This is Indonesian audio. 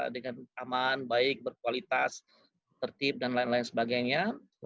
dengan aman baik berkualitas tertib dan lain lain sebagainya